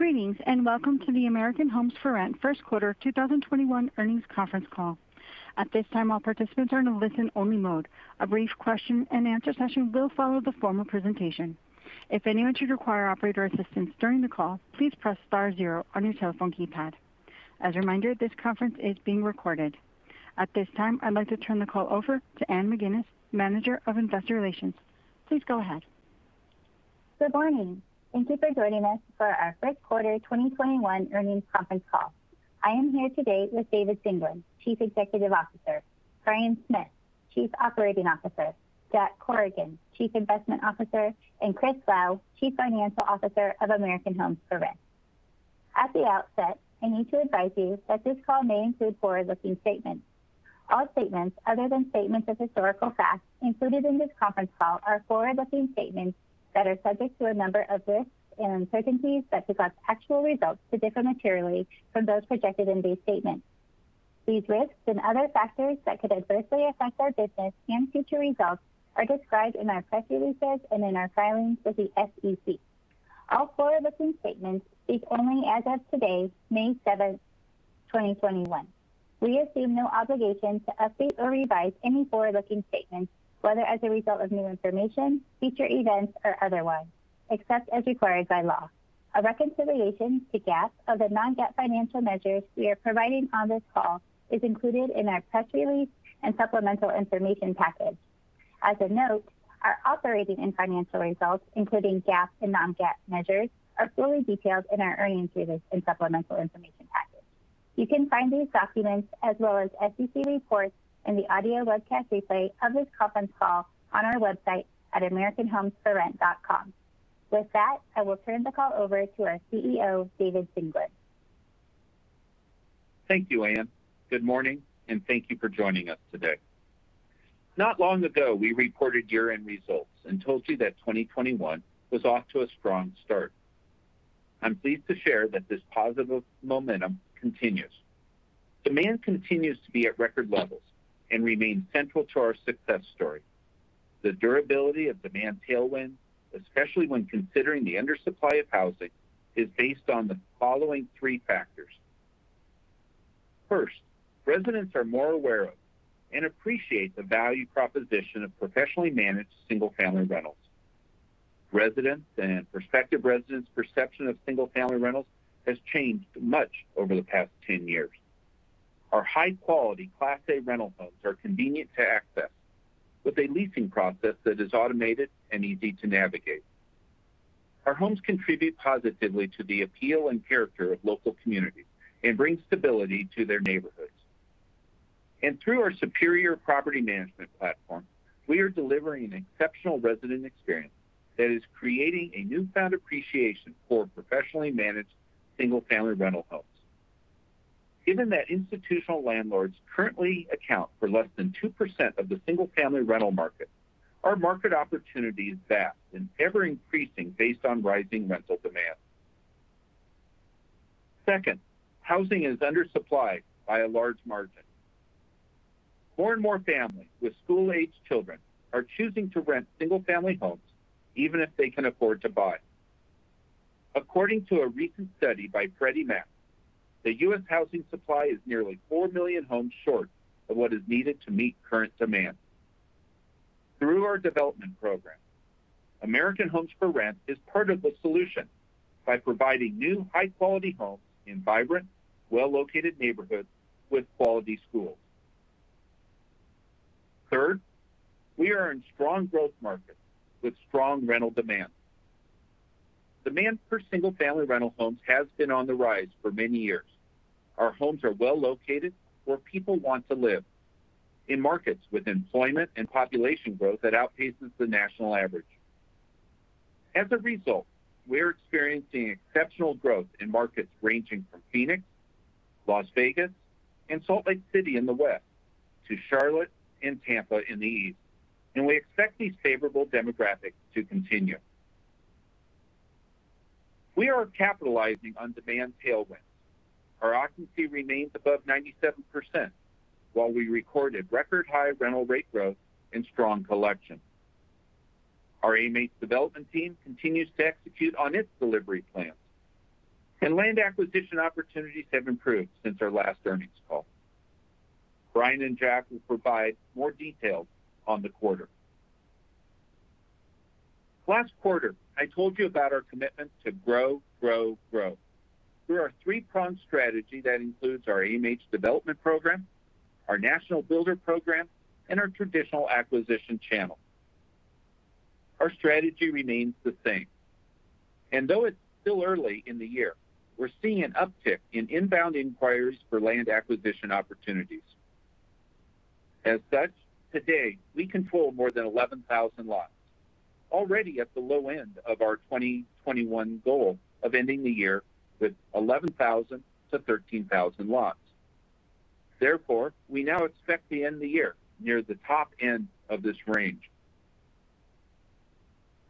Greetings, welcome to the American Homes 4 Rent first quarter 2021 earnings conference call. At this time, all participants are in a listen-only mode. A brief question and answer session will follow the formal presentation. If anyone should require operator assistance during the call, please press star zero on your telephone keypad. As a reminder, this conference is being recorded. At this time, I'd like to turn the call over to Anne McGuinness, Manager of Investor Relations. Please go ahead. Good morning. Thank you for joining us for our first quarter 2021 earnings conference call. I am here today with David Singelyn, Chief Executive Officer, Bryan Smith, Chief Operating Officer, Jack Corrigan, Chief Investment Officer, and Chris Lau, Chief Financial Officer of American Homes 4 Rent. At the outset, I need to advise you that this call may include forward-looking statements. All statements other than statements of historical fact included in this conference call are forward-looking statements that are subject to a number of risks and uncertainties that could cause actual results to differ materially from those projected in these statements. These risks and other factors that could adversely affect our business and future results are described in our press releases and in our filings with the SEC. All forward-looking statements speak only as of today, May 7th, 2021. We assume no obligation to update or revise any forward-looking statements, whether as a result of new information, future events, or otherwise, except as required by law. A reconciliation to GAAP of the non-GAAP financial measures we are providing on this call is included in our press release and supplemental information package. As a note, our operating and financial results, including GAAP and non-GAAP measures, are fully detailed in our earnings release and supplemental information package. You can find these documents as well as SEC reports and the audio webcast replay of this conference call on our website at americanhomes4rent.com. With that, I will turn the call over to our CEO, David Singelyn. Thank you, Anne. Good morning, and thank you for joining us today. Not long ago, we reported year-end results and told you that 2021 was off to a strong start. I'm pleased to share that this positive momentum continues. Demand continues to be at record levels and remains central to our success story. The durability of demand tailwind, especially when considering the undersupply of housing, is based on the following three factors. First, residents are more aware of and appreciate the value proposition of professionally managed single-family rentals. Residents' and prospective residents' perception of single-family rentals has changed much over the past 10 years. Our high-quality Class A rental homes are convenient to access with a leasing process that is automated and easy to navigate. Our homes contribute positively to the appeal and character of local communities and bring stability to their neighborhoods. Through our superior property management platform, we are delivering an exceptional resident experience that is creating a newfound appreciation for professionally managed single-family rental homes. Given that institutional landlords currently account for less than 2% of the single-family rental market, our market opportunity is vast and ever-increasing based on rising rental demand. Second, housing is undersupplied by a large margin. More and more families with school-aged children are choosing to rent single-family homes even if they can afford to buy. According to a recent study by Freddie Mac, the U.S. housing supply is nearly four million homes short of what is needed to meet current demand. Through our development program, American Homes 4 Rent is part of the solution by providing new high-quality homes in vibrant, well-located neighborhoods with quality schools. Third, we are in strong growth markets with strong rental demand. Demand for single-family rental homes has been on the rise for many years. Our homes are well-located where people want to live, in markets with employment and population growth that outpaces the national average. As a result, we're experiencing exceptional growth in markets ranging from Phoenix, Las Vegas, and Salt Lake City in the west, to Charlotte and Tampa in the east, and we expect these favorable demographics to continue. We are capitalizing on demand tailwinds. Our occupancy remains above 97%, while we recorded record-high rental rate growth and strong collection. Our AMH development team continues to execute on its delivery plans, and land acquisition opportunities have improved since our last earnings call. Bryan and Jack will provide more details on the quarter. Last quarter, I told you about our commitment to grow, grow. Through our three-pronged strategy that includes our AMH development program, our national builder program, and our traditional acquisition channel. Our strategy remains the same. Though it's still early in the year, we're seeing an uptick in inbound inquiries for land acquisition opportunities. As such, to date, we control more than 11,000 lots, already at the low end of our 2021 goal of ending the year with 11,000-13,000 lots. We now expect to end the year near the top end of this range.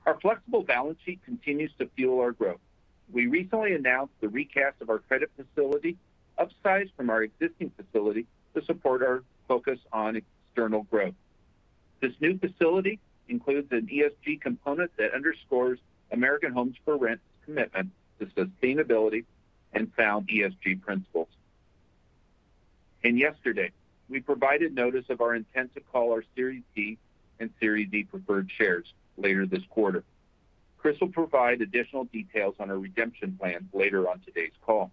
Our flexible balance sheet continues to fuel our growth We recently announced the recast of our credit facility, upsized from our existing facility to support our focus on external growth. This new facility includes an ESG component that underscores American Homes 4 Rent's commitment to sustainability and sound ESG principles. Yesterday, we provided notice of our intent to call our Series D and Series E preferred shares later this quarter. Chris will provide additional details on our redemption plans later on today's call.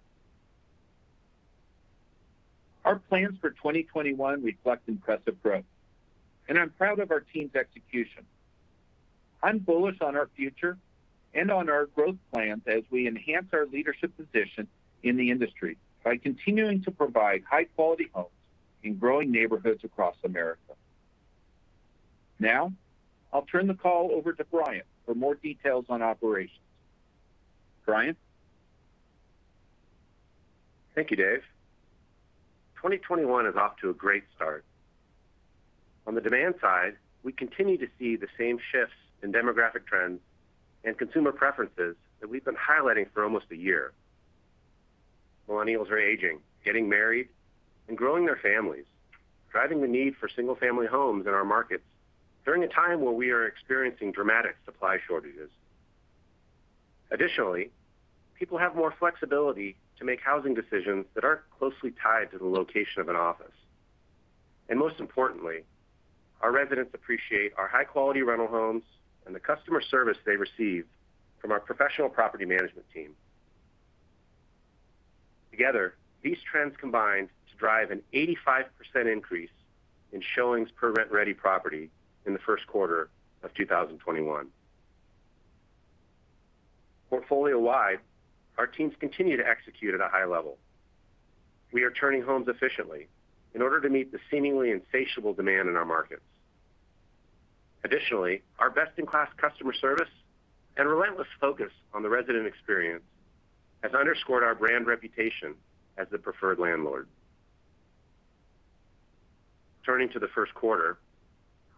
Our plans for 2021 reflect impressive growth, and I'm proud of our team's execution. I'm bullish on our future and on our growth plans as we enhance our leadership position in the industry by continuing to provide high-quality homes in growing neighborhoods across America. Now, I'll turn the call over to Bryan for more details on operations. Bryan? Thank you, Dave. 2021 is off to a great start. On the demand side, we continue to see the same shifts in demographic trends and consumer preferences that we've been highlighting for almost a year. Millennials are aging, getting married, and growing their families, driving the need for single-family homes in our markets during a time where we are experiencing dramatic supply shortages. Additionally, people have more flexibility to make housing decisions that aren't closely tied to the location of an office. Most importantly, our residents appreciate our high-quality rental homes and the customer service they receive from our professional property management team. Together, these trends combined to drive an 85% increase in showings per rent-ready property in the first quarter of 2021. Portfolio-wide, our teams continue to execute at a high level. We are turning homes efficiently in order to meet the seemingly insatiable demand in our markets. Our best-in-class customer service and relentless focus on the resident experience has underscored our brand reputation as the preferred landlord. Turning to the first quarter,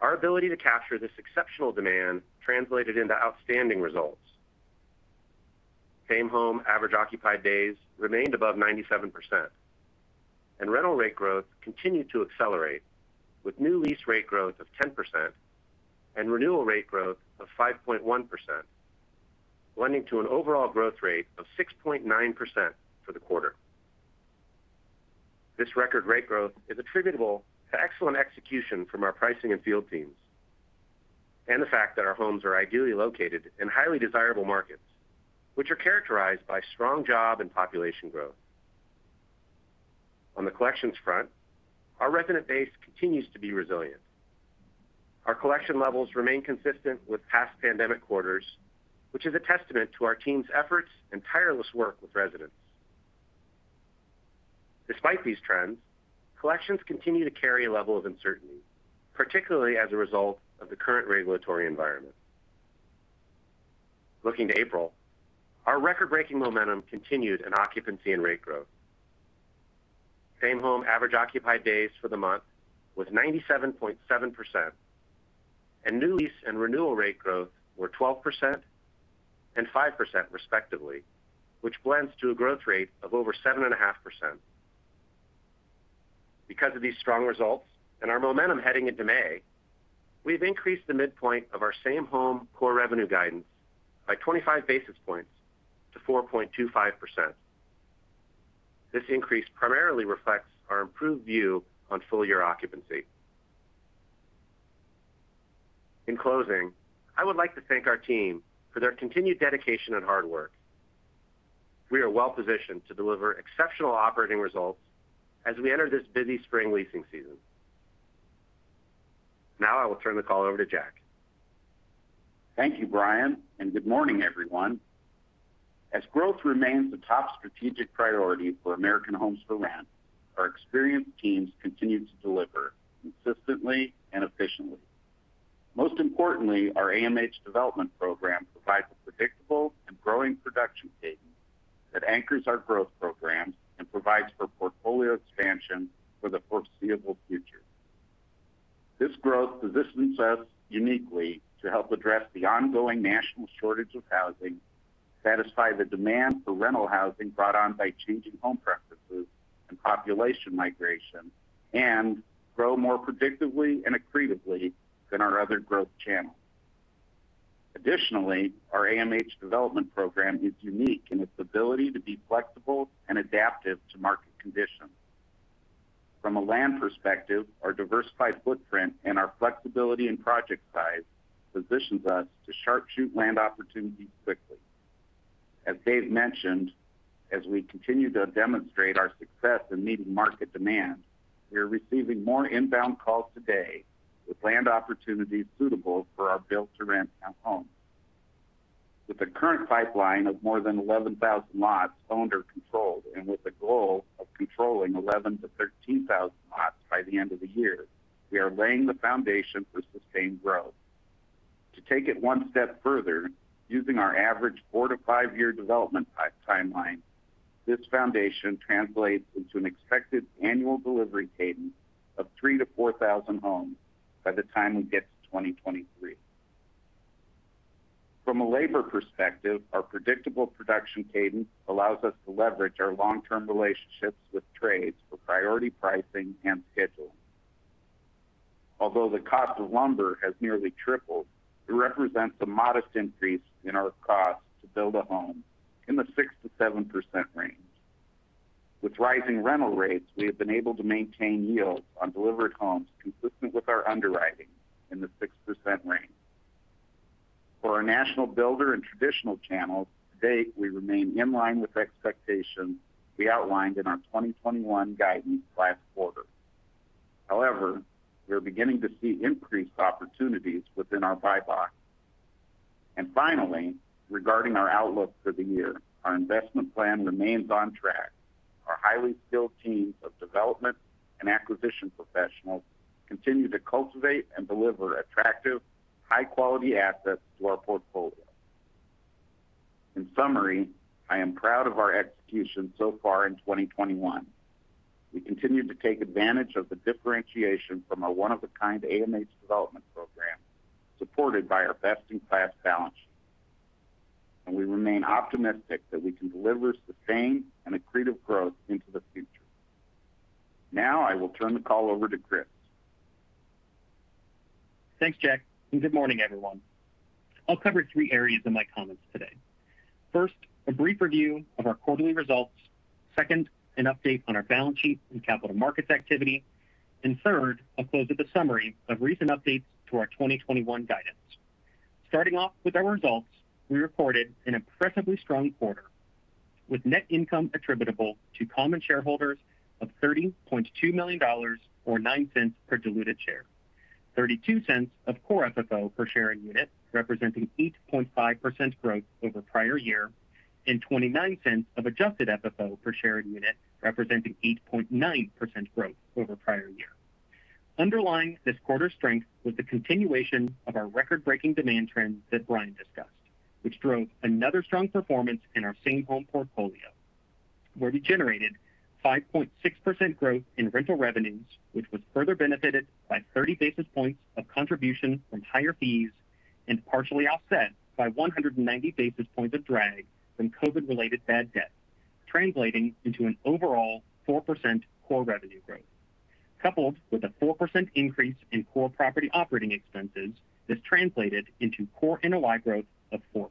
our ability to capture this exceptional demand translated into outstanding results. Same-home average occupied days remained above 97%, and rental rate growth continued to accelerate, with new lease rate growth of 10% and renewal rate growth of 5.1%, blending to an overall growth rate of 6.9% for the quarter. This record rate growth is attributable to excellent execution from our pricing and field teams and the fact that our homes are ideally located in highly desirable markets, which are characterized by strong job and population growth. On the collections front, our resident base continues to be resilient. Our collection levels remain consistent with past pandemic quarters, which is a testament to our team's efforts and tireless work with residents. Despite these trends, collections continue to carry a level of uncertainty, particularly as a result of the current regulatory environment. Looking to April, our record-breaking momentum continued in occupancy and rate growth. Same-home average occupied days for the month was 97.7%, and new lease and renewal rate growth were 12% and 5%, respectively, which blends to a growth rate of over 7.5%. Because of these strong results and our momentum heading into May, we've increased the midpoint of our same-home core revenue guidance by 25 basis points to 4.25%. This increase primarily reflects our improved view on full-year occupancy. In closing, I would like to thank our team for their continued dedication and hard work. We are well-positioned to deliver exceptional operating results as we enter this busy spring leasing season. Now I will turn the call over to Jack. Thank you, Bryan, and good morning, everyone. As growth remains the top strategic priority for American Homes 4 Rent, our experienced teams continue to deliver consistently and efficiently. Most importantly, our AMH development program provides a predictable and growing production cadence that anchors our growth programs and provides for portfolio expansion for the foreseeable future. This growth positions us uniquely to help address the ongoing national shortage of housing, satisfy the demand for rental housing brought on by changing home preferences and population migration, and grow more predictably and accretively than our other growth channels. Additionally, our AMH development program is unique in its ability to be flexible and adaptive to market conditions. From a land perspective, our diversified footprint and our flexibility in project size positions us to sharpshoot land opportunities quickly. As Dave mentioned, as we continue to demonstrate our success in meeting market demand, we are receiving more inbound calls today with land opportunities suitable for our build-to-rent townhomes. With a current pipeline of more than 11,000 lots owned or controlled, and with a goal of controlling 11,000-13,000 lots by the end of the year, we are laying the foundation for sustained growth. To take it one step further, using our average four-to-five-year development timeline. This foundation translates into an expected annual delivery cadence of 3,000-4,000 homes by the time we get to 2023. From a labor perspective, our predictable production cadence allows us to leverage our long-term relationships with trades for priority pricing and scheduling. Although the cost of lumber has nearly tripled, it represents a modest increase in our cost to build a home in the 6%-7% range. With rising rental rates, we have been able to maintain yields on delivered homes consistent with our underwriting in the 6% range. For our national builder and traditional channels, to date, we remain in line with expectations we outlined in our 2021 guidance last quarter. However, we are beginning to see increased opportunities within our buy box. Finally, regarding our outlook for the year, our investment plan remains on track. Our highly skilled teams of development and acquisition professionals continue to cultivate and deliver attractive high-quality assets to our portfolio. In summary, I am proud of our execution so far in 2021. We continue to take advantage of the differentiation from our one-of-a-kind AMH development program, supported by our best-in-class balance sheet. We remain optimistic that we can deliver sustained and accretive growth into the future. Now I will turn the call over to Chris. Thanks, Jack, good morning, everyone. I'll cover three areas in my comments today. First, a brief review of our quarterly results. Second, an update on our balance sheet and capital markets activity. Third, a close of the summary of recent updates to our 2021 guidance. Starting off with our results, we reported an impressively strong quarter with net income attributable to common shareholders of $30.2 million, or $0.09 per diluted share, $0.32 of Core FFO per share unit, representing 8.5% growth over prior year, and $0.29 of Adjusted FFO per share unit representing 8.9% growth over prior year. Underlying this quarter's strength was the continuation of our record-breaking demand trends that Bryan discussed, which drove another strong performance in our same-home portfolio, where we generated 5.6% growth in rental revenues, which was further benefited by 30 basis points of contribution from higher fees and partially offset by 190 basis points of drag from COVID-related bad debt, translating into an overall 4% Core revenue growth. Coupled with a 4% increase in Core property operating expenses, this translated into Core NOI growth of 4%.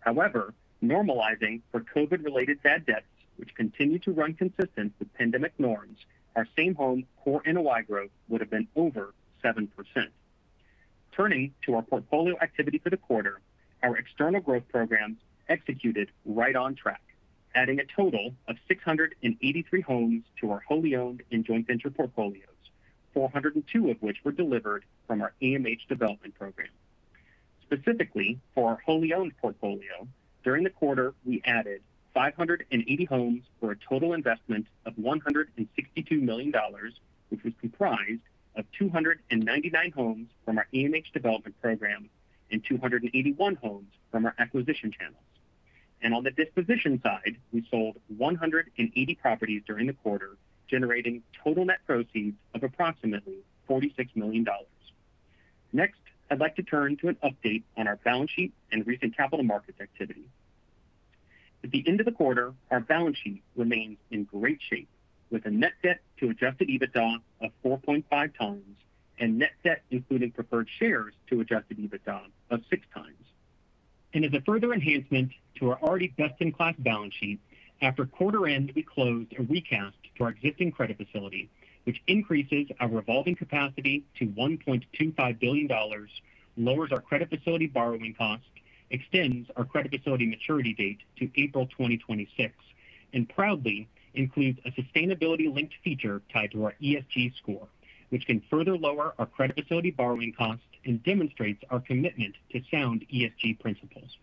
However, normalizing for COVID-related bad debts, which continue to run consistent with pandemic norms, our same-home Core NOI growth would've been over 7%. Turning to our portfolio activity for the quarter, our external growth programs executed right on track, adding a total of 683 homes to our wholly owned and joint venture portfolios, 402 of which were delivered from our AMH development program. Specifically for our wholly owned portfolio, during the quarter, we added 580 homes for a total investment of $162 million, which was comprised of 299 homes from our AMH development program and 281 homes from our acquisition channels. On the disposition side, we sold 180 properties during the quarter, generating total net proceeds of approximately $46 million. Next, I'd like to turn to an update on our balance sheet and recent capital markets activity. At the end of the quarter, our balance sheet remains in great shape with a net debt to adjusted EBITDA of 4.5 times and net debt including preferred shares to adjusted EBITDA of six times. As a further enhancement to our already best-in-class balance sheet, after quarter end, we closed a recast to our existing credit facility, which increases our revolving capacity to $1.25 billion, lowers our credit facility borrowing cost, extends our credit facility maturity date to April 2026, and proudly includes a sustainability-linked feature tied to our ESG score, which can further lower our credit facility borrowing cost and demonstrates our commitment to sound ESG principles.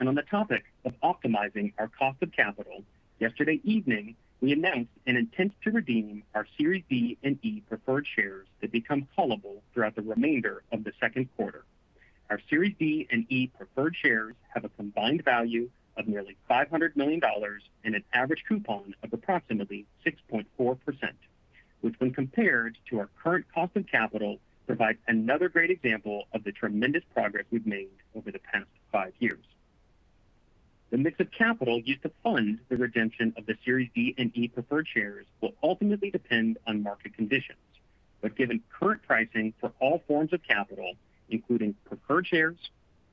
On the topic of optimizing our cost of capital, yesterday evening, we announced an intent to redeem our Series D and E preferred shares that become callable throughout the remainder of the second quarter. Our Series D and E preferred shares have a combined value of nearly $500 million and an average coupon of approximately 6.4%, which when compared to our current cost of capital, provides another great example of the tremendous progress we've made over the past five years. The mix of capital used to fund the redemption of the Series D and E preferred shares will ultimately depend on market conditions. Given current pricing for all forms of capital, including preferred shares,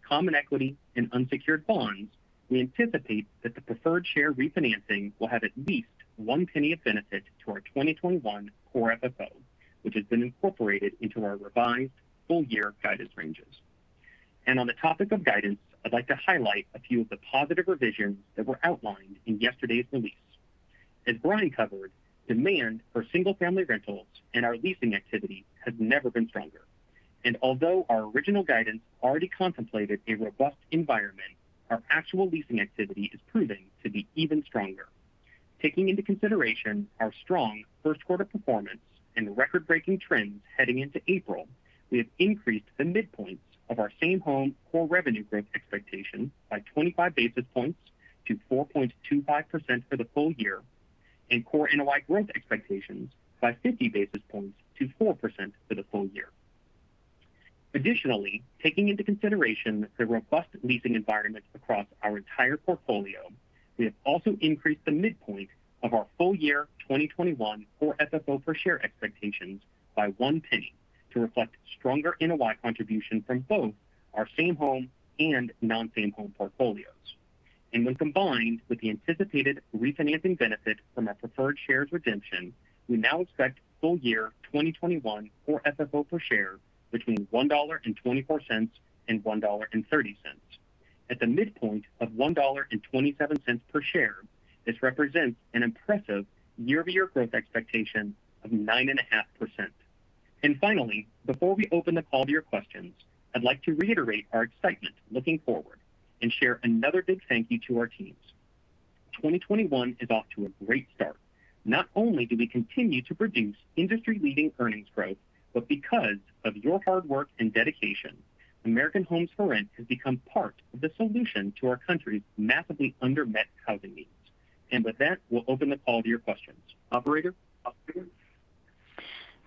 common equity, and unsecured bonds, we anticipate that the preferred share refinancing will have at least one penny of benefit to our 2021 Core FFO, which has been incorporated into our revised full-year guidance ranges. On the topic of guidance, I'd like to highlight a few of the positive revisions that were outlined in yesterday's release. As Bryan covered, demand for single-family rentals and our leasing activity has never been stronger. Although our original guidance already contemplated a robust environment, our actual leasing activity is proving to be even stronger. Taking into consideration our strong first quarter performance and the record-breaking trends heading into April, we have increased the midpoints of our same home Core revenue growth expectation by 25 basis points to 4.25% for the full year, and Core NOI growth expectations by 50 basis points to 4% for the full year. Additionally, taking into consideration the robust leasing environment across our entire portfolio, we have also increased the midpoint of our full year 2021 Core FFO per share expectations by $0.01 to reflect stronger NOI contribution from both our same home and non-same home portfolios. When combined with the anticipated refinancing benefit from our preferred shares redemption, we now expect full year 2021 Core FFO per share between $1.24 and $1.30. At the midpoint of $1.27 per share, this represents an impressive year-over-year growth expectation of 9.5%. Finally, before we open the call to your questions, I'd like to reiterate our excitement looking forward and share another big thank you to our teams. 2021 is off to a great start. Not only do we continue to produce industry-leading earnings growth, but because of your hard work and dedication, American Homes 4 Rent has become part of the solution to our country's massively unmet housing needs. With that, we'll open the call to your questions. Operator?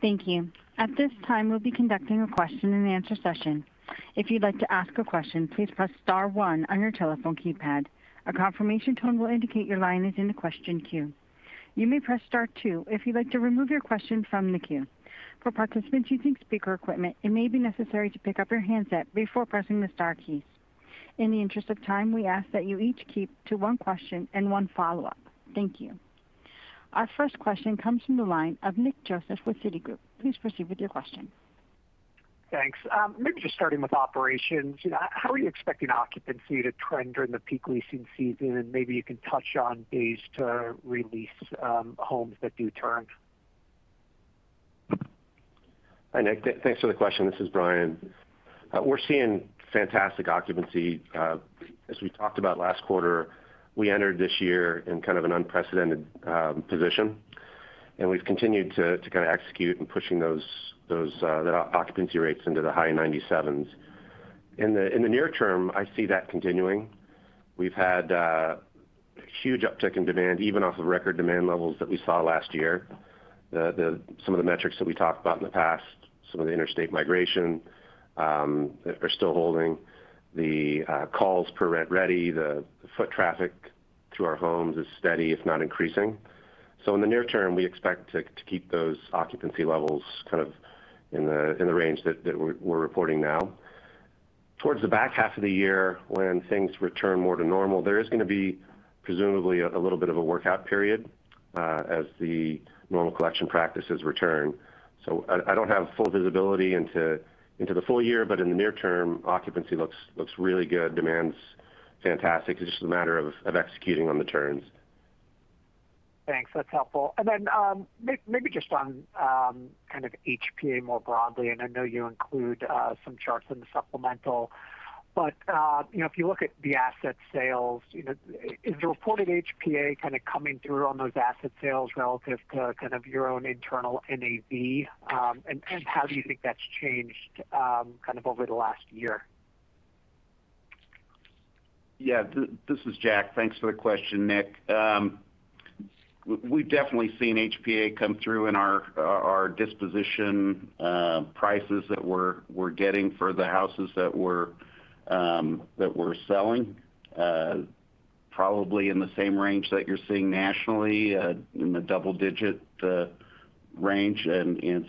Thank you. At this time, we'll be conducting a question and answer session. If you'd like to ask a question, please press star one on your telephone keypad. A confirmation tone will indicate your line is in the question queue. You may press star two if you'd like to remove your question from the queue. For participants using speaker equipment, it may be necessary to pick up your handset before pressing the star keys. In the interest of time, we ask that you each keep to one question and one follow-up. Thank you. Our first question comes from the line of Nick Joseph with Citigroup. Please proceed with your question. Thanks. Maybe just starting with operations. How are you expecting occupancy to trend during the peak leasing season? Maybe you can touch on days to re-lease homes that do turn? Hi, Nick. Thanks for the question. This is Bryan. We're seeing fantastic occupancy. As we talked about last quarter, we entered this year in kind of an unprecedented position, and we've continued to execute in pushing those occupancy rates into the high 97s. In the near term, I see that continuing. We've had a huge uptick in demand, even off of record demand levels that we saw last year. Some of the metrics that we talked about in the past, some of the interstate migration are still holding. The calls per rent-ready, the foot traffic through our homes is steady, if not increasing. In the near term, we expect to keep those occupancy levels in the range that we're reporting now. Towards the back half of the year, when things return more to normal, there is going to be presumably a little bit of a workout period as the normal collection practices return. I don't have full visibility into the full year, but in the near term, occupancy looks really good. Demand's fantastic. It's just a matter of executing on the turns. Thanks. That's helpful. Maybe just on kind of HPA more broadly, and I know you include some charts in the supplemental, but if you look at the asset sales, is the reported HPA kind of coming through on those asset sales relative to kind of your own internal NAV? How do you think that's changed over the last year? Yeah. This is Jack. Thanks for the question, Nick. We've definitely seen HPA come through in our disposition prices that we're getting for the houses that we're selling. Probably in the same range that you're seeing nationally, in the double-digit range. It's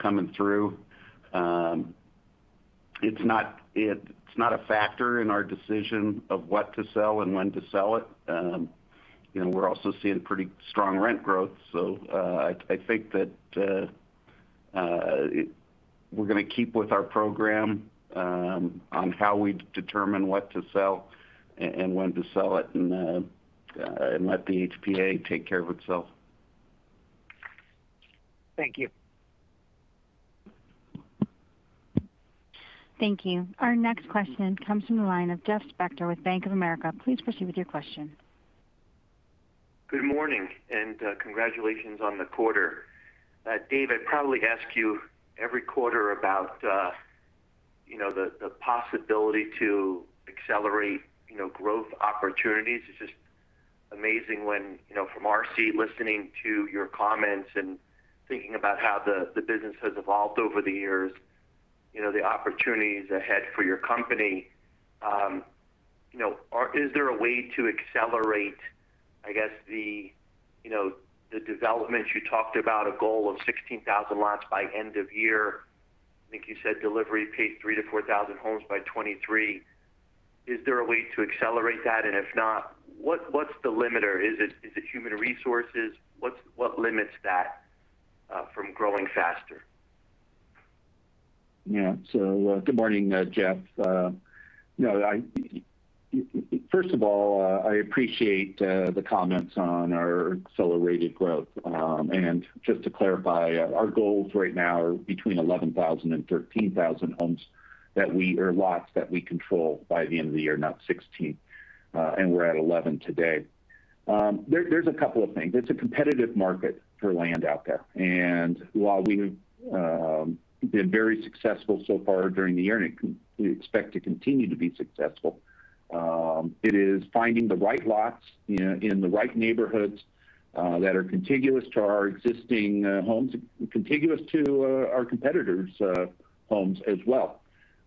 coming through. It's not a factor in our decision of what to sell and when to sell it. We're also seeing pretty strong rent growth, so I think that we're going to keep with our program on how we determine what to sell and when to sell it, and let the HPA take care of itself. Thank you. Thank you. Our next question comes from the line of Jeff Spector with Bank of America. Please proceed with your question. Good morning. Congratulations on the quarter. Dave, I probably ask you every quarter about the possibility to accelerate growth opportunities. It is just amazing when, from our seat, listening to your comments and thinking about how the business has evolved over the years, the opportunities ahead for your company. Is there a way to accelerate, I guess, the development? You talked about a goal of 16,000 lots by end of year. I think you said delivery pace, 3-4,000 homes by 2023. Is there a way to accelerate that? If not, what is the limiter? Is it human resources? What limits that from growing faster? Yeah. Good morning, Jeff. First of all, I appreciate the comments on our accelerated growth. Just to clarify, our goals right now are between 11,000 and 13,000 homes or lots that we control by the end of the year, not 16. We're at 11 today. There's a couple of things. It's a competitive market for land out there, and while we've been very successful so far during the year, and we expect to continue to be successful, it is finding the right lots in the right neighborhoods that are contiguous to our existing homes and contiguous to our competitors' homes as well.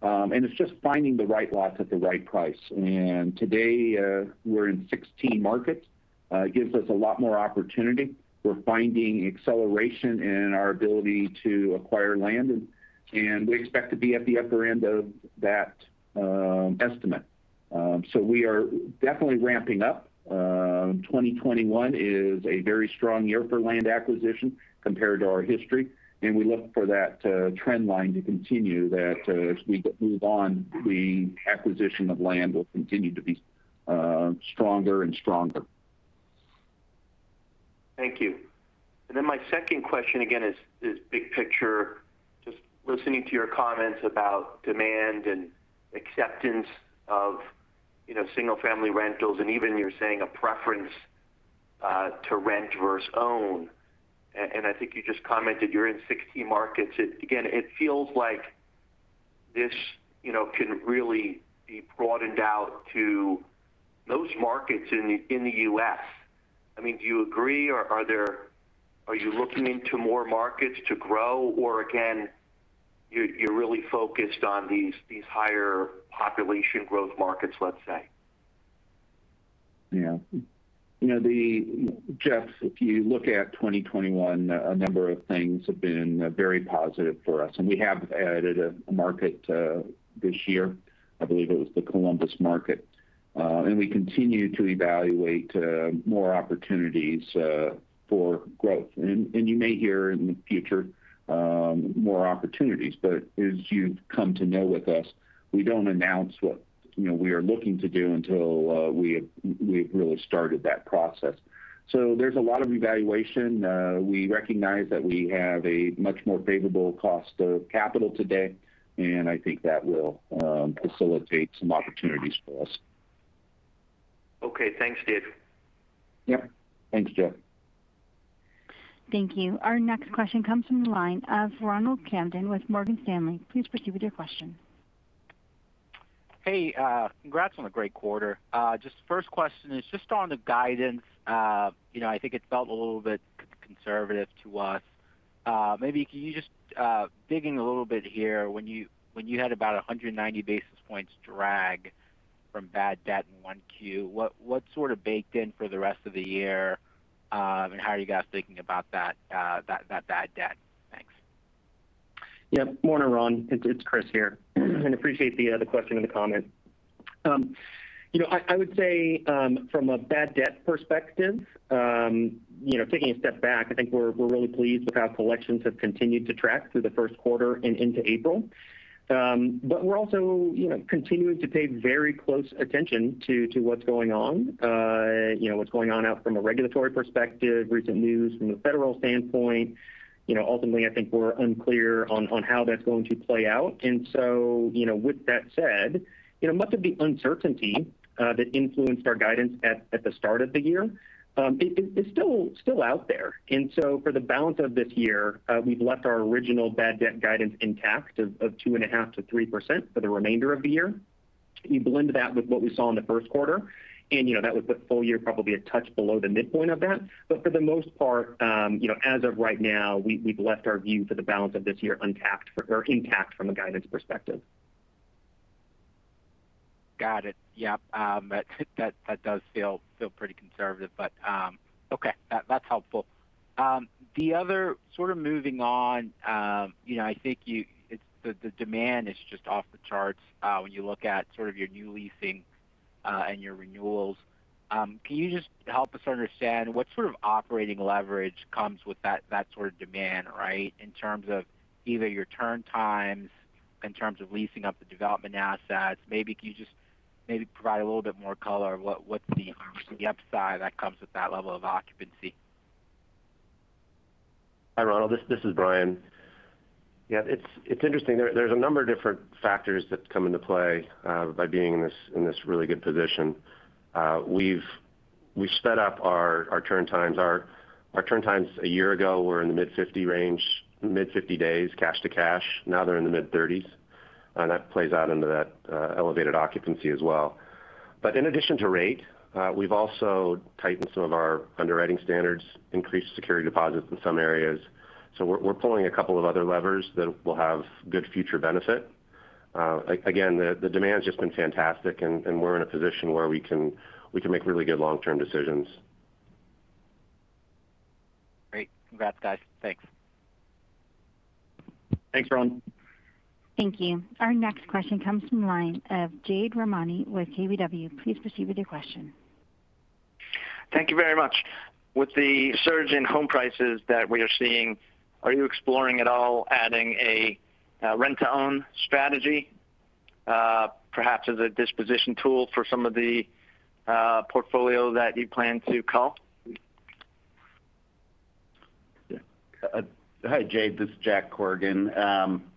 It's just finding the right lots at the right price. Today, we're in 16 markets. It gives us a lot more opportunity. We're finding acceleration in our ability to acquire land, and we expect to be at the upper end of that estimate. We are definitely ramping up. 2021 is a very strong year for land acquisition compared to our history, and we look for that trend line to continue, that as we move on, the acquisition of land will continue to be stronger and stronger. Thank you. My second question, again, is big picture. Just listening to your comments about demand and acceptance of single-family rentals and even you're saying a preference to rent versus own. I think you just commented you're in 16 markets. Again, it feels like this can really be broadened out to those markets in the U.S. Do you agree, or are you looking into more markets to grow? Again, you're really focused on these higher population growth markets, let's say? Yeah. Jeff, if you look at 2021, a number of things have been very positive for us, and we have added a market this year. I believe it was the Columbus market. We continue to evaluate more opportunities for growth. You may hear in the future more opportunities. As you've come to know with us, we don't announce what we are looking to do until we've really started that process. There's a lot of evaluation. We recognize that we have a much more favorable cost of capital today, and I think that will facilitate some opportunities for us. Okay. Thanks, David. Yep. Thanks, Jeff. Thank you. Our next question comes from the line of Ronald Kamdem with Morgan Stanley. Please proceed with your question. Hey. Congrats on a great quarter. Just first question is just on the guidance. I think it felt a little bit conservative to us. Maybe can you just dig in a little bit here, when you had about 190 basis points drag from bad debt in Q1, what's sort of baked in for the rest of the year, and how are you guys thinking about that bad debt? Thanks. Yep. Morning, Ron. It's Chris here. Appreciate the other question in the comment. I would say from a bad debt perspective, taking a step back, I think we're really pleased with how collections have continued to track through the first quarter and into April. We're also continuing to pay very close attention to what's going on out from a regulatory perspective, recent news from a federal standpoint. Ultimately, I think we're unclear on how that's going to play out. With that said, much of the uncertainty that influenced our guidance at the start of the year is still out there. For the balance of this year, we've left our original bad debt guidance intact of 2.5%-3% for the remainder of the year. That would put full year probably a touch below the midpoint of that. For the most part, as of right now, we've left our view for the balance of this year intact from a guidance perspective. Got it. Yep. That does feel pretty conservative, but okay. That's helpful. The other, sort of moving on, I think the demand is just off the charts when you look at sort of your new leasing and your renewals. Can you just help us understand what sort of operating leverage comes with that sort of demand, right, in terms of either your turn times, in terms of leasing up the development assets? Maybe can you just provide a little bit more color of what the upside that comes with that level of occupancy? Hi, Ronald. This is Bryan. It's interesting. There's a number of different factors that come into play by being in this really good position. We've sped up our turn times. Our turn times a year ago were in the mid-50 range, mid-50 days cash to cash. Now they're in the mid-30s, and that plays out into that elevated occupancy as well. In addition to rate, we've also tightened some of our underwriting standards, increased security deposits in some areas. We're pulling a couple of other levers that will have good future benefit. Again, the demand's just been fantastic, and we're in a position where we can make really good long-term decisions. Great. Congrats, guys. Thanks. Thanks, Ron. Thank you. Our next question comes from the line of Jade Rahmani with KBW. Please proceed with your question. Thank you very much. With the surge in home prices that we are seeing, are you exploring at all adding a rent-to-own strategy perhaps as a disposition tool for some of the portfolio that you plan to cull? Yeah. Hi, Jade. This is Jack Corrigan.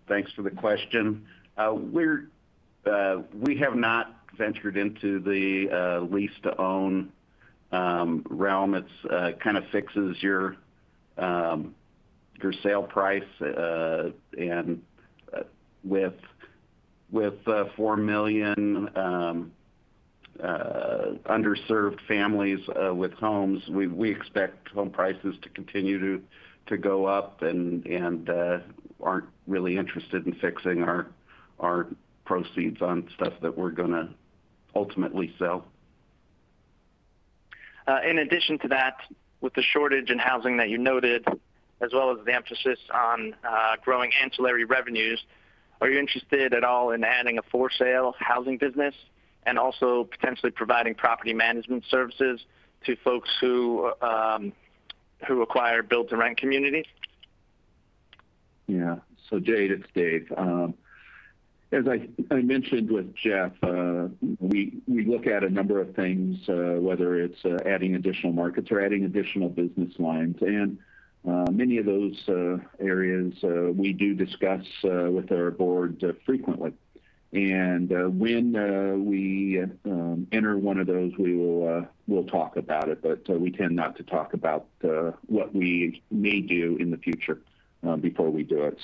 Thanks for the question. We have not ventured into the lease-to-own realm. It kind of fixes your sale price. With four million underserved families with homes, we expect home prices to continue to go up, and aren't really interested in fixing our proceeds on stuff that we're going to ultimately sell. In addition to that, with the shortage in housing that you noted, as well as the emphasis on growing ancillary revenues, are you interested at all in adding a for sale housing business and also potentially providing property management services to folks who acquire build-to-rent communities? Jade, it's Dave. As I mentioned with Jeff, we look at a number of things, whether it's adding additional markets or adding additional business lines. Many of those areas we do discuss with our board frequently. When we enter one of those, we'll talk about it, but we tend not to talk about what we may do in the future, before we do it.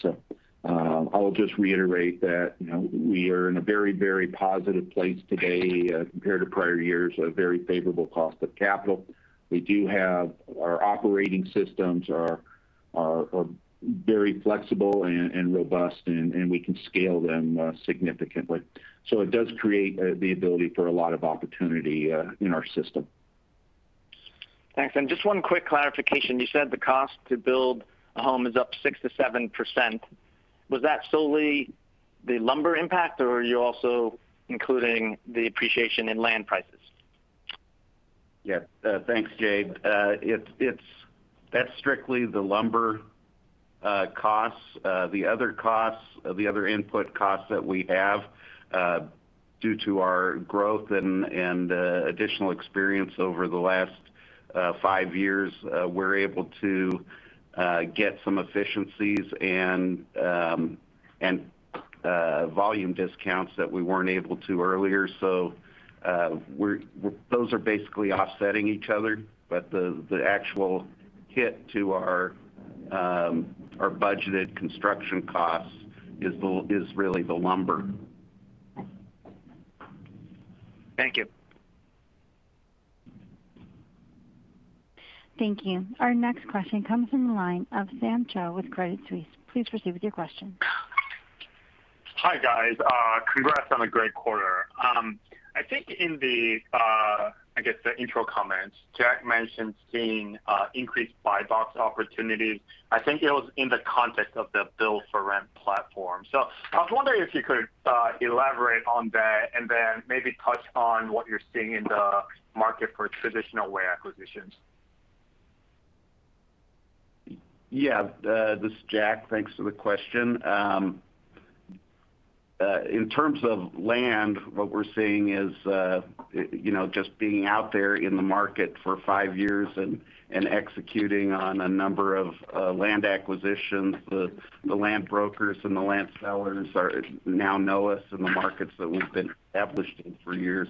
I'll just reiterate that we are in a very, very positive place today, compared to prior years, a very favorable cost of capital. We do have our operating systems are very flexible and robust, and we can scale them significantly. It does create the ability for a lot of opportunity in our system. Thanks. Just one quick clarification. You said the cost to build a home is up 6%-7%. Was that solely the lumber impact, or are you also including the appreciation in land prices? Yeah. Thanks, Jade. That's strictly the lumber costs. The other input costs that we have, due to our growth and additional experience over the last five years, we're able to get some efficiencies and volume discounts that we weren't able to earlier. Those are basically offsetting each other, but the actual hit to our budgeted construction costs is really the lumber. Thank you. Thank you. Our next question comes from the line of Sam Cho with Credit Suisse. Please proceed with your question. Hi, guys. Congrats on a great quarter. I think in the, I guess the intro comments, Jack mentioned seeing increased buy box opportunities. I think it was in the context of the build-for-rent platform. I was wondering if you could elaborate on that and then maybe touch on what you're seeing in the market for traditional way acquisitions? This is Jack. Thanks for the question. In terms of land, what we're seeing is, just being out there in the market for five years and executing on a number of land acquisitions, the land brokers and the land sellers now know us in the markets that we've been established in for years.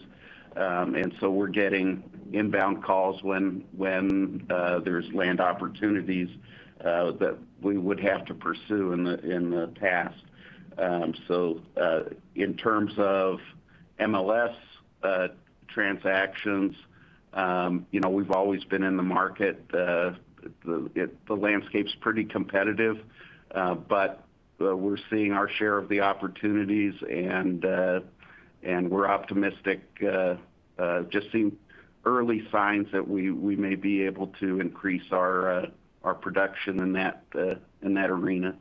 We're getting inbound calls when there's land opportunities, that we would have to pursue in the past. In terms of MLS transactions, we've always been in the market. The landscape's pretty competitive. We're seeing our share of the opportunities and we're optimistic. Just seeing early signs that we may be able to increase our production in that arena.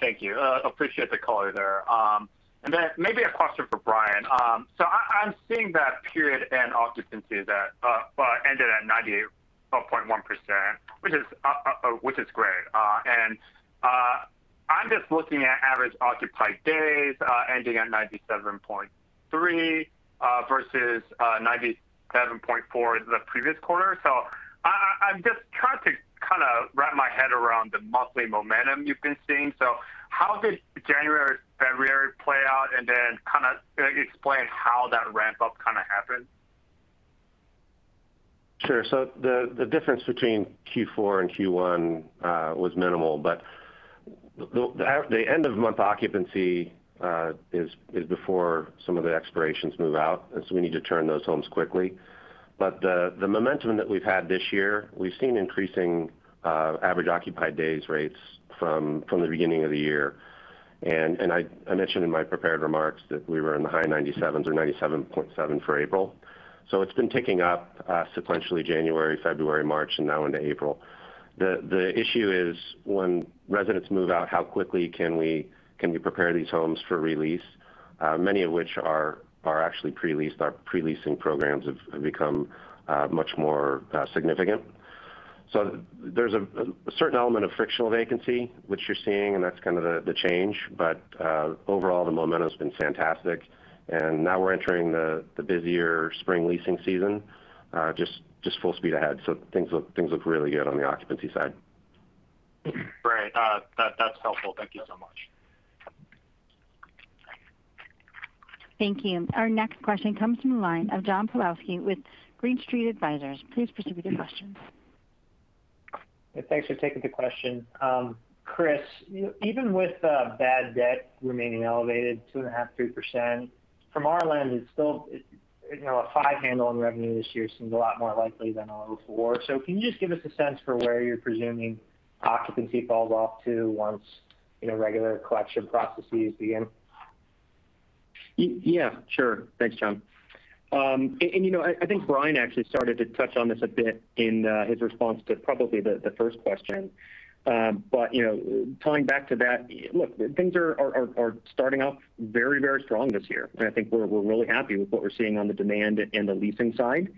Thank you. Appreciate the color there. Then maybe a question for Bryan. I'm seeing that period end occupancy that ended at 98.1%, which is great. I'm just looking at average occupied days, ending at 97.3%, versus 97.4% in the previous quarter. I'm just trying to kind of wrap my head around the monthly momentum you've been seeing. How did January, February play out and then kind of explain how that ramp up kind of happened? Sure. The difference between Q4 and Q1 was minimal, but the end of month occupancy is before some of the expirations move out. We need to turn those homes quickly. The momentum that we've had this year, we've seen increasing average occupied days rates from the beginning of the year. I mentioned in my prepared remarks that we were in the high 97s or 97.7 for April. It's been ticking up sequentially January, February, March, and now into April. The issue is when residents move out, how quickly can we prepare these homes for release? Many of which are actually pre-leased. Our pre-leasing programs have become much more significant. There's a certain element of frictional vacancy, which you're seeing, and that's kind of the change. Overall, the momentum's been fantastic. Now we're entering the busier spring leasing season. Just full speed ahead. Things look really good on the occupancy side. Right. That's helpful. Thank you so much. Thank you. Our next question comes from the line of John Pawlowski with Green Street Advisors. Please proceed with your questions. Thanks for taking the question. Chris, even with bad debt remaining elevated 2.5%, 3%, from our lens, a five handle on revenue this year seems a lot more likely than a [0.4]. Can you just give us a sense for where you're presuming occupancy falls off to once regular collection processes begin? Yeah, sure. Thanks, John. I think Bryan actually started to touch on this a bit in his response to probably the first question. Tying back to that, look, things are starting off very strong this year, and I think we're really happy with what we're seeing on the demand and the leasing side.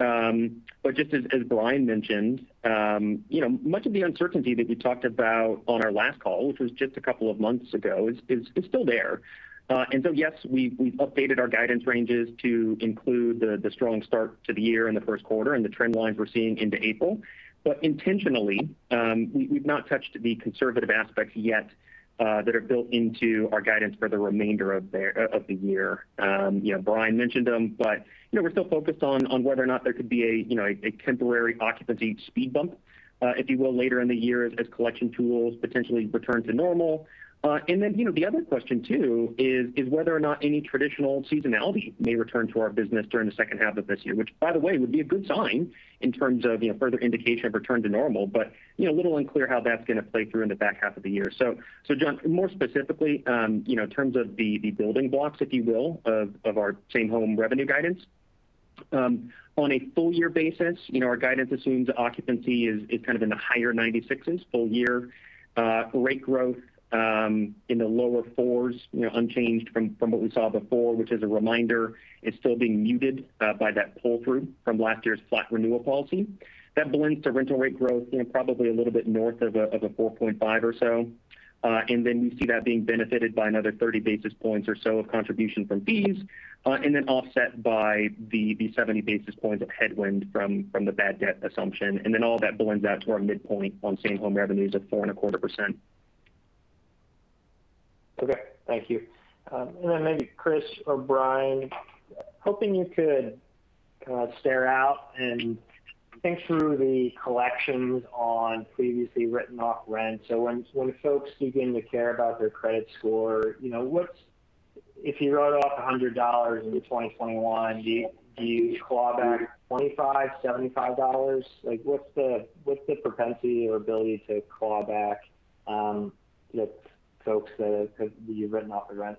Just as Bryan mentioned, much of the uncertainty that you talked about on our last call, which was just a couple of months ago, is still there. Yes, we've updated our guidance ranges to include the strong start to the year in the first quarter and the trend lines we're seeing into April. Intentionally, we've not touched the conservative aspects yet that are built into our guidance for the remainder of the year. Bryan mentioned them, we're still focused on whether or not there could be a temporary occupancy speed bump, if you will, later in the year as collection tools potentially return to normal. The other question too is whether or not any traditional seasonality may return to our business during the second half of this year, which by the way, would be a good sign in terms of further indication of return to normal. Little unclear how that's going to play through in the back half of the year. John, more specifically, in terms of the building blocks, if you will, of our same-home revenue guidance. On a full-year basis, our guidance assumes occupancy is kind of in the higher 96%s full-year. Rate growth in the lower fours, unchanged from what we saw before, which as a reminder, is still being muted by that pull-through from last year's flat renewal policy. That blends to rental rate growth probably a little bit north of a 4.5 or so. Then you see that being benefited by another 30 basis points or so of contribution from fees, and then offset by the 70 basis points of headwind from the bad debt assumption. Then all that blends out to our midpoint on same-home revenues of 4.25%. Okay. Thank you. Maybe Chris or Bryan, hoping you could stare out and think through the collections on previously written-off rent. When folks begin to care about their credit score, if you wrote off $100 in 2021, do you claw back $25, $75? What's the propensity or ability to claw back the folks that you've written off the rent?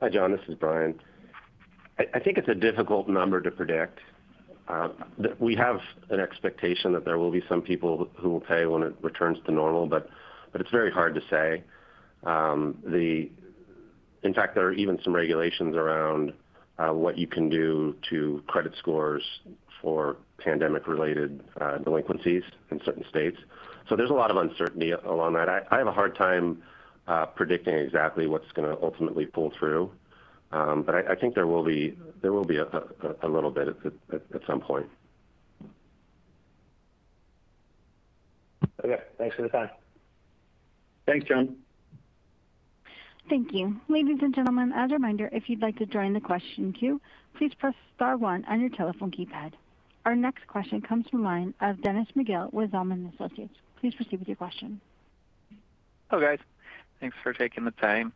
Hi, John. This is Bryan. I think it's a difficult number to predict. We have an expectation that there will be some people who will pay when it returns to normal, but it's very hard to say. In fact, there are even some regulations around what you can do to credit scores for pandemic-related delinquencies in certain states. There's a lot of uncertainty along that. I have a hard time predicting exactly what's going to ultimately pull through. I think there will be a little bit at some point. Okay. Thanks for the time. Thanks, John. Thank you. Ladies and gentlemen as a remainder if you like to join the question queue, please press star one on your telephone keypad. Our next question comes from the line of Dennis McGill with Zelman & Associates. Please proceed with your question. Hello, guys. Thanks for taking the time.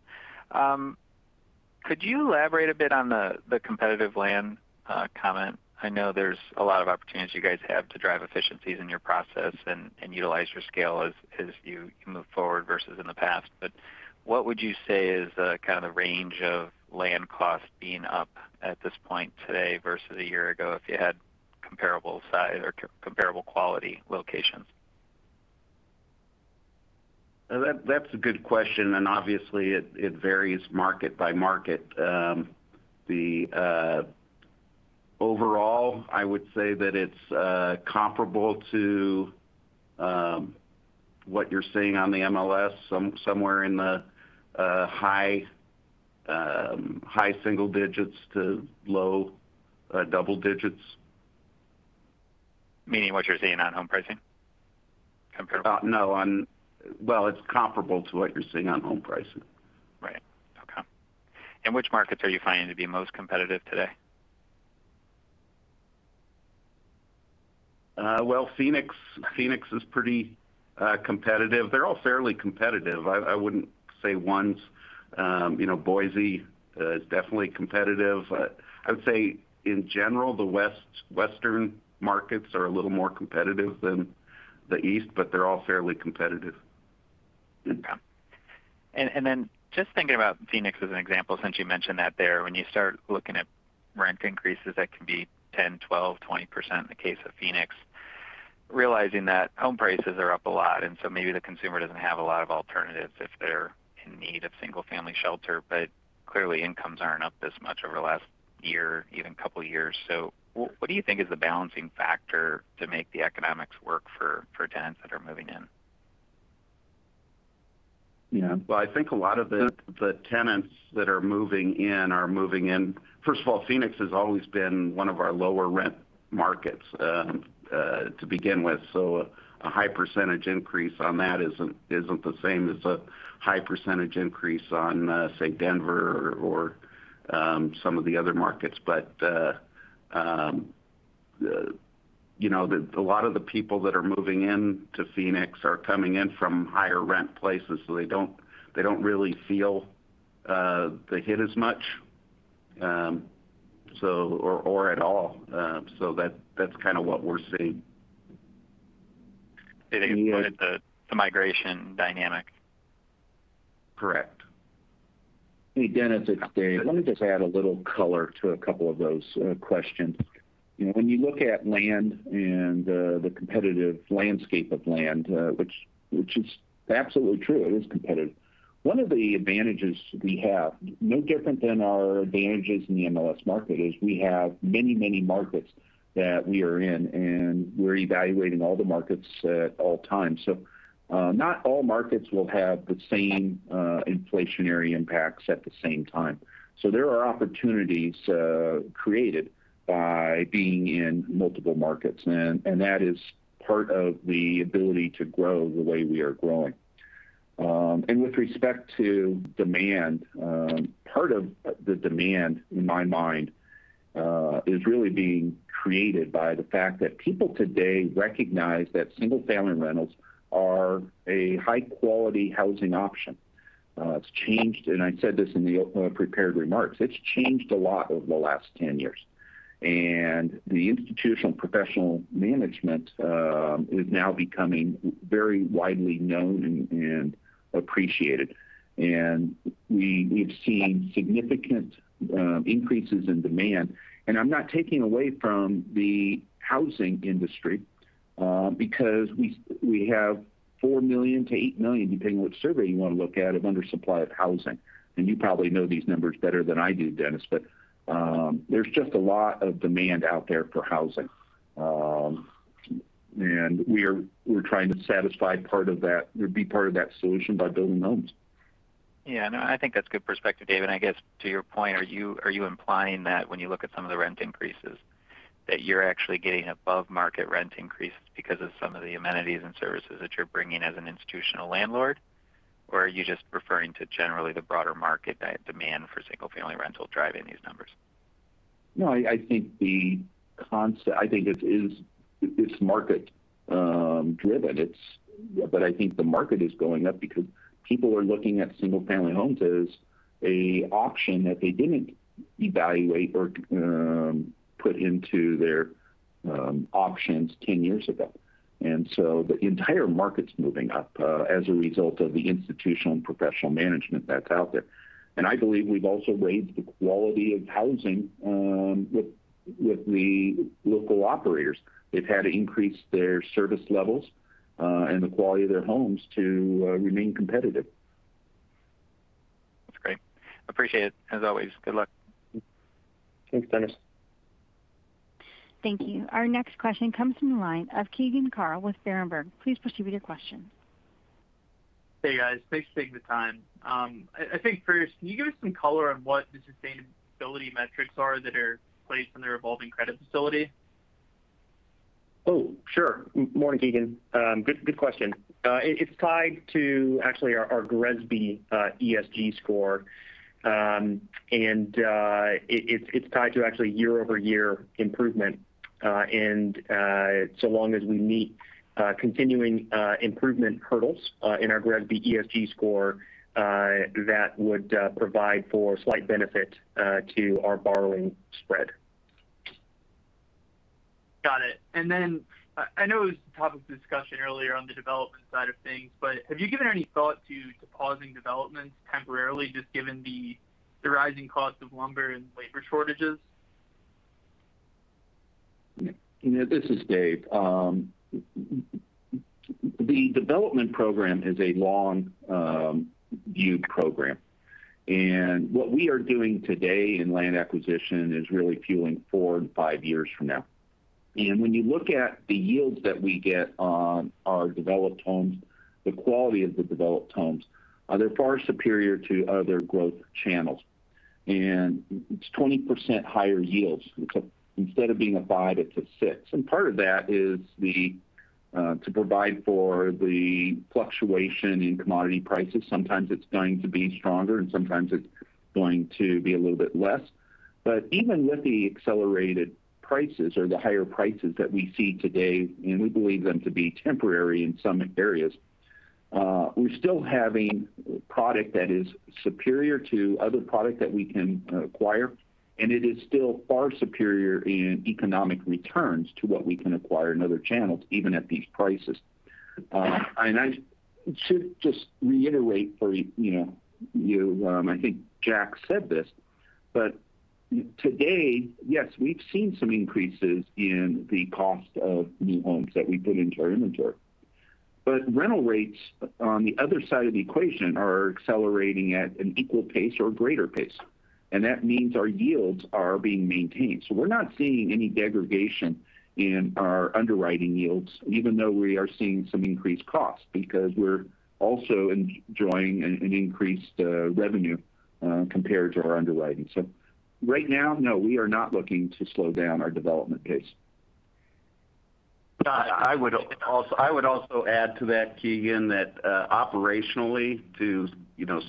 Could you elaborate a bit on the competitive land comment? I know there's a lot of opportunities you guys have to drive efficiencies in your process and utilize your scale as you move forward versus in the past. What would you say is the kind of range of land costs being up at this point today versus a year ago if you had comparable size or comparable quality locations? That's a good question, and obviously it varies market by market. Overall, I would say that it's comparable to what you're seeing on the MLS, somewhere in the high single digits to low double digits. Meaning what you're seeing on home pricing? Comparably. No. Well, it's comparable to what you're seeing on home pricing. Right. Okay. Which markets are you finding to be most competitive today? Well, Phoenix is pretty competitive. They're all fairly competitive. I wouldn't say one. Boise is definitely competitive. I would say in general, the Western markets are a little more competitive than the East, but they're all fairly competitive. Okay. Just thinking about Phoenix as an example, since you mentioned that there, when you start looking at rent increases, that can be 10%, 12%, 20% in the case of Phoenix. Realizing that home prices are up a lot, and so maybe the consumer doesn't have a lot of alternatives if they're in need of single-family shelter. Clearly incomes aren't up this much over the last year, even couple years. What do you think is the balancing factor to make the economics work for tenants that are moving in? Well, I think a lot of the tenants that are moving in are moving in First of all, Phoenix has always been one of our lower rent markets to begin with. A high percentage increase on that isn't the same as a high percentage increase on, say, Denver or some of the other markets. A lot of the people that are moving into Phoenix are coming in from higher rent places, so they don't really feel the hit as much. At all. That's kind of what we're seeing. They've exploited the migration dynamic. Correct. Hey, Dennis, it's David. Let me just add a little color to a couple of those questions. When you look at land and the competitive landscape of land which is absolutely true, it is competitive. One of the advantages we have, no different than our advantages in the MLS market, is we have many markets that we are in, and we're evaluating all the markets at all times. Not all markets will have the same inflationary impacts at the same time. There are opportunities created by being in multiple markets, and that is part of the ability to grow the way we are growing. With respect to demand, part of the demand, in my mind, is really being created by the fact that people today recognize that single-family rentals are a high-quality housing option. It's changed, and I said this in the opening prepared remarks. It's changed a lot over the last 10 years. The institutional professional management is now becoming very widely known and appreciated. We've seen significant increases in demand. I'm not taking away from the housing industry because we have four million to eight million, depending on which survey you want to look at, of undersupply of housing. You probably know these numbers better than I do, Dennis, but there's just a lot of demand out there for housing. We're trying to satisfy part of that. We'll be part of that solution by building homes. Yeah, no, I think that's good perspective, Dave. I guess to your point, are you implying that when you look at some of the rent increases, that you're actually getting above-market rent increases because of some of the amenities and services that you're bringing as an institutional landlord? Or are you just referring to generally the broader market demand for single-family rental driving these numbers? No, I think it's market-driven. I think the market is going up because people are looking at single-family homes as an option that they didn't evaluate or put into their options 10 years ago. The entire market's moving up as a result of the institutional and professional management that's out there. I believe we've also raised the quality of housing with the local operators. They've had to increase their service levels, and the quality of their homes to remain competitive. That's great. Appreciate it. As always, good luck. Thanks, Dennis. Thank you. Our next question comes from the line of Keegan Carl with Berenberg. Please proceed with your question. Hey, guys. Thanks for taking the time. I think first, can you give us some color on what the sustainability metrics are that are placed on the revolving credit facility? Oh, sure. Morning, Keegan. Good question. It's tied to actually our GRESB ESG score. It's tied to actually year-over-year improvement. So long as we meet continuing improvement hurdles in our GRESB ESG score, that would provide for slight benefit to our borrowing spread. Got it. I know it was the topic of discussion earlier on the development side of things, but have you given any thought to pausing developments temporarily, just given the rising cost of lumber and labor shortages? This is Dave. The Development Program is a long-view program. What we are doing today in land acquisition is really fueling four and five years from now. When you look at the yields that we get on our developed homes, the quality of the developed homes, they're far superior to other growth channels. It's 20% higher yields. Instead of being a five, it's a six. Part of that is to provide for the fluctuation in commodity prices. Sometimes it's going to be stronger, and sometimes it's going to be a little bit less. Even with the accelerated prices or the higher prices that we see today, and we believe them to be temporary in some areas, we're still having product that is superior to other product that we can acquire, and it is still far superior in economic returns to what we can acquire in other channels, even at these prices. I should just reiterate for you. I think Jack said this, but today, yes, we've seen some increases in the cost of new homes that we put into our inventory. Rental rates on the other side of the equation are accelerating at an equal pace or greater pace. That means our yields are being maintained. We're not seeing any degradation in our underwriting yields, even though we are seeing some increased costs, because we're also enjoying an increased revenue compared to our underwriting. Right now, no, we are not looking to slow down our development pace. I would also add to that, Keegan, that operationally to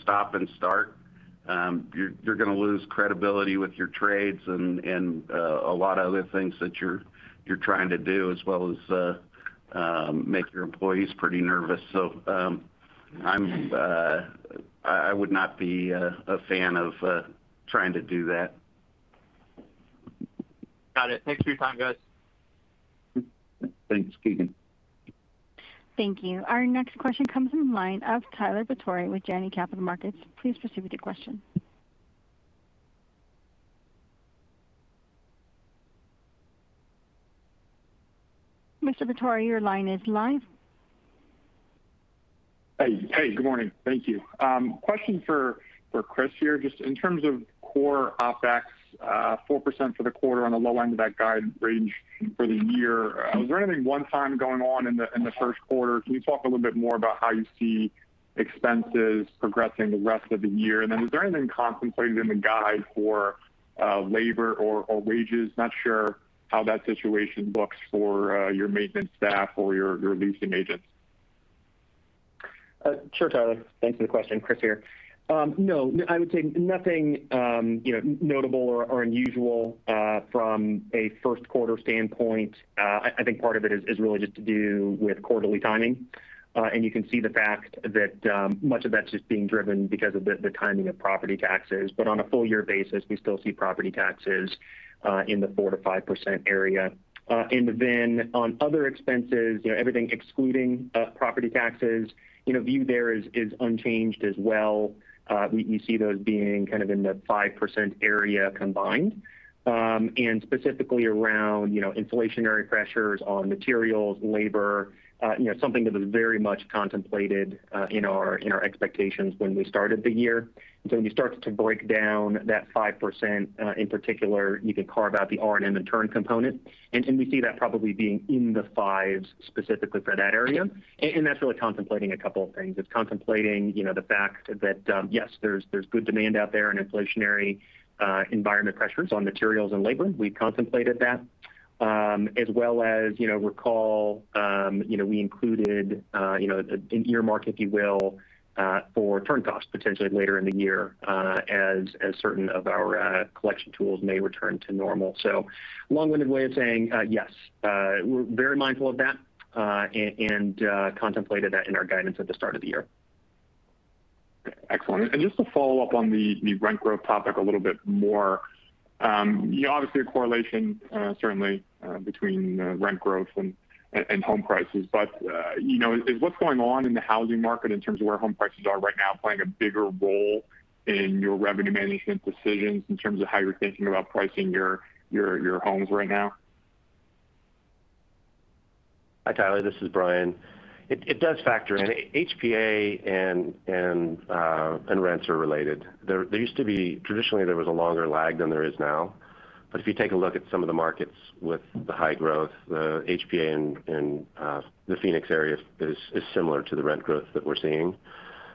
stop and start, you're going to lose credibility with your trades and a lot of other things that you're trying to do, as well as make your employees pretty nervous. I would not be a fan of trying to do that. Got it. Thanks for your time, guys. Thanks, Keegan. Thank you. Our next question comes from the line of Tyler Batory with Janney Capital Markets. Please proceed with your question. Mr. Batory, your line is live. Hey. Good morning. Thank you. Question for Chris here. Just in terms of Core OpEx, 4% for the quarter on the low end of that guide range for the year, was there anything one-time going on in the first quarter? Can you talk a little bit more about how you see expenses progressing the rest of the year? Was there anything contemplated in the guide for labor or wages? Not sure how that situation looks for your maintenance staff or your leasing agents. Sure, Tyler, thanks for the question. Chris here. I would say nothing notable or unusual from a first quarter standpoint. I think part of it is really just to do with quarterly timing. You can see the fact that much of that's just being driven because of the timing of property taxes. On a full year basis, we still see property taxes in the 4%-5% area. On other expenses, everything excluding property taxes, view there is unchanged as well. We see those being kind of in the 5% area combined. Specifically around inflationary pressures on materials, labor, something that was very much contemplated in our expectations when we started the year. When you start to break down that 5%, in particular, you can carve out the R&M and turn component. We see that probably being in the fives specifically for that area. That's really contemplating a couple of things. It's contemplating the fact that yes, there's good demand out there and inflationary environment pressures on materials and labor. We contemplated that. Recall we included an earmark, if you will, for turn costs potentially later in the year as certain of our collection tools may return to normal. Long-winded way of saying, yes. We're very mindful of that, and contemplated that in our guidance at the start of the year. Excellent. Just to follow up on the rent growth topic a little bit more. Obviously a correlation certainly between rent growth and home prices. Is what's going on in the housing market in terms of where home prices are right now playing a bigger role in your revenue management decisions in terms of how you're thinking about pricing your homes right now? Hi, Tyler. This is Bryan. It does factor in. HPA and rents are related. Traditionally, there was a longer lag than there is now. If you take a look at some of the markets with the high growth, the HPA in the Phoenix area is similar to the rent growth that we're seeing.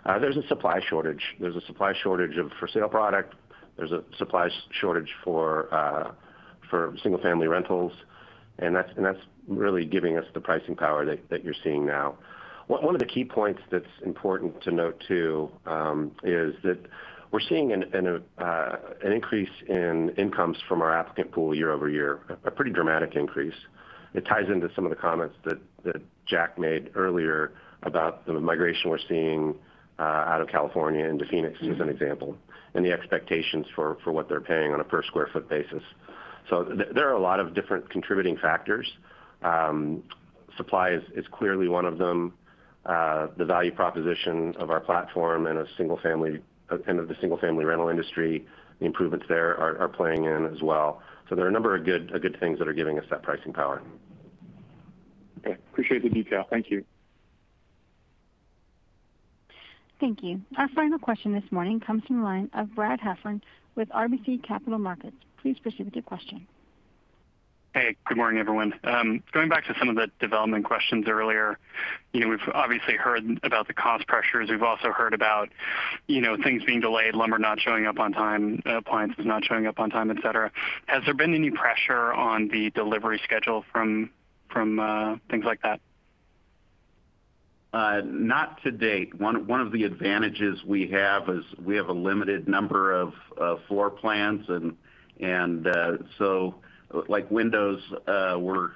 There's a supply shortage. There's a supply shortage of for sale product. There's a supply shortage for single-family rentals, and that's really giving us the pricing power that you're seeing now. One of the key points that's important to note, too, is that we're seeing an increase in incomes from our applicant pool year-over-year. A pretty dramatic increase. It ties into some of the comments that Jack made earlier about the migration we're seeing out of California into Phoenix, as an example, and the expectations for what they're paying on a per square foot basis. There are a lot of different contributing factors. Supply is clearly one of them. The value proposition of our platform and the single-family rental industry, the improvements there are playing in as well. There are a number of good things that are giving us that pricing power. Okay. Appreciate the detail. Thank you. Thank you. Our final question this morning comes from the line of Brad Heffern with RBC Capital Markets. Please proceed with your question. Hey, good morning, everyone. Going back to some of the development questions earlier. We've obviously heard about the cost pressures. We've also heard about things being delayed, lumber not showing up on time, appliances not showing up on time, et cetera. Has there been any pressure on the delivery schedule from things like that? Not to date. One of the advantages we have is we have a limited number of floor plans. Like windows were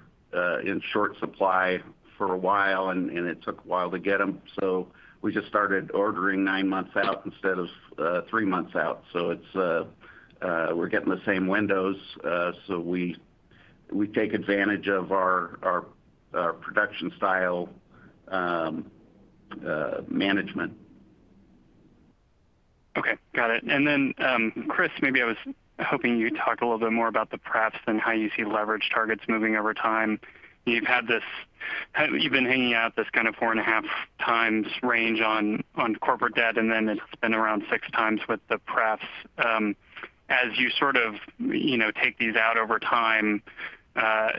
in short supply for a while, and it took a while to get them. We just started ordering nine months out instead of three months out. We're getting the same windows. We take advantage of our production style management. Okay. Got it. Chris, maybe I was hoping you'd talk a little bit more about the pref than how you see leverage targets moving over time. You've been hanging out this kind of four and a half times range on corporate debt, and then it's been around six times with the pref. As you sort of take these out over time,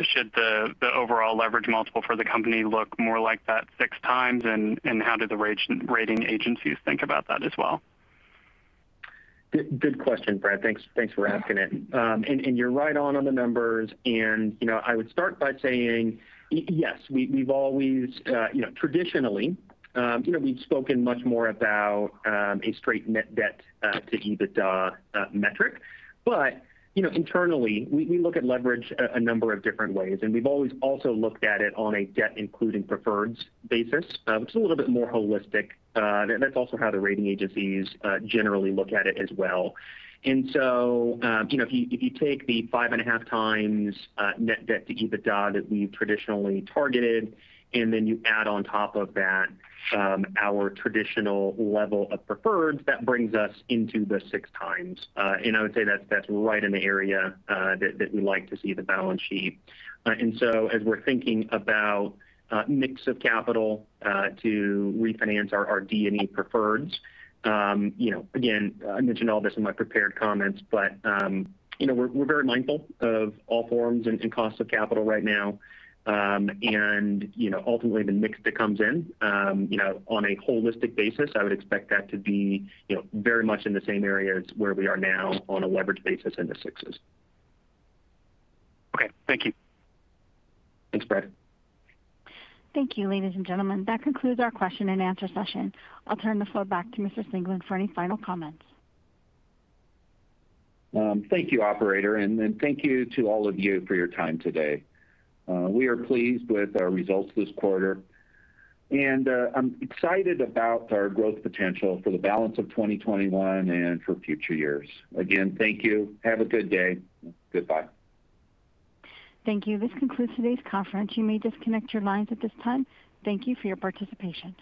should the overall leverage multiple for the company look more like that six times? How do the rating agencies think about that as well? Good question, Brad. Thanks for asking it. You're right on the numbers. I would start by saying, yes, traditionally we've spoken much more about a straight net debt to EBITDA metric. Internally, we look at leverage a number of different ways, and we've always also looked at it on a debt including preferreds basis, which is a little bit more holistic. That's also how the rating agencies generally look at it as well. If you take the 5.5 times net debt to EBITDA that we traditionally targeted, then you add on top of that our traditional level of preferreds, that brings us into the six times. I would say that's right in the area that we like to see the balance sheet. As we're thinking about mix of capital to refinance our D&E preferreds, again, I mentioned all this in my prepared comments, but we're very mindful of all forms and costs of capital right now. Ultimately the mix that comes in on a holistic basis, I would expect that to be very much in the same area as where we are now on a leverage basis in the sixes. Okay. Thank you. Thanks, Brad. Thank you, ladies and gentlemen. That concludes our question and answer session. I'll turn the floor back to Mr. Singelyn for any final comments. Thank you, operator. Then thank you to all of you for your time today. We are pleased with our results this quarter. I'm excited about our growth potential for the balance of 2021 and for future years. Again, thank you. Have a good day. Goodbye. Thank you. This concludes today's conference. You may disconnect your lines at this time. Thank you for your participation.